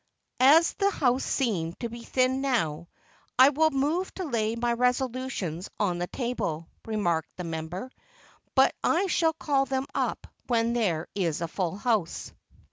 "As the house seems to be thin now, I will move to lay my resolutions on the table," remarked the member; "but I shall call them up when there is a full house."